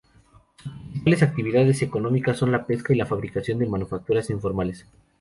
Sus principales actividades económicas son la pesca y la fabricación de manufacturas informales.